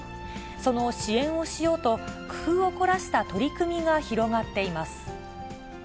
その支援をしようと、工夫を凝らした取り組みが広がっています。